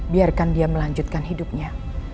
biarkan dia melanjutkan hidupnya